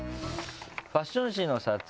「ファッション誌の撮影現場」。